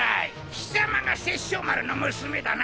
貴様が殺生丸の娘だな！